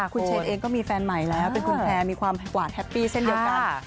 คุณเชนเองก็มีแฟนใหม่แล้วเป็นคุณแพร่มีความหวานแฮปปี้เช่นเดียวกัน